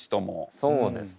そうですね。